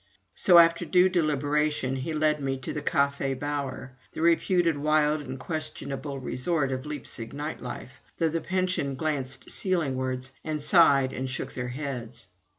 So, after due deliberation, he led me to the Café Bauer, the reputed wild and questionable resort of Leipzig night life, though the pension glanced ceiling wards and sighed and shook their heads.